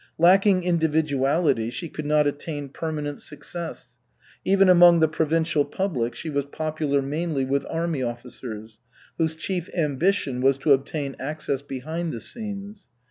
Lacking individuality, she could not attain permanent success. Even among the provincial public she was popular mainly with army officers, whose chief ambition was to obtain access behind the scenes.